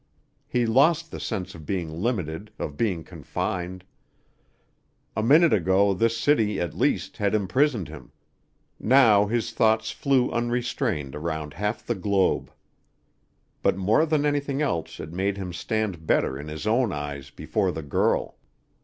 He lost the sense of being limited, of being confined. A minute ago this city, at least, had imprisoned him; now his thoughts flew unrestrained around half the globe. But more than anything else it made him stand better in his own eyes before the girl.